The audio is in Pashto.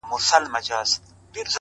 • په یارانو چي یې زهر نوشوله ,